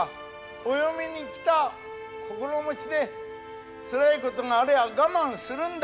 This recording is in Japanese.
お嫁に来た心持ちでつらいことがありゃ我慢するんだ。